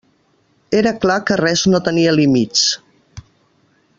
Era clar que res no tenia límits.